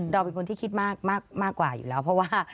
เราเป็นคนที่คิดมากกว่าอยู่แล้ว